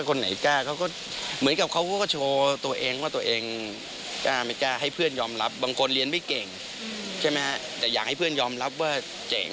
คนไหนกล้าเขาก็เหมือนกับเขาก็โชว์ตัวเองว่าตัวเองกล้าไม่กล้าให้เพื่อนยอมรับบางคนเรียนไม่เก่งใช่ไหมฮะแต่อยากให้เพื่อนยอมรับว่าเจ๋ง